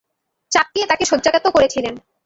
চাবকিয়ে তাকে শয্যাগত করেছিলেন।